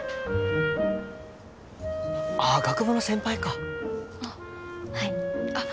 ああ学部の先輩かあっはいあっ